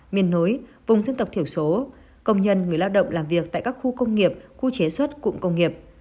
miền núi vùng dân tộc thiểu số công nhân người lao động làm việc tại các khu công nghiệp khu chế xuất cụm công nghiệp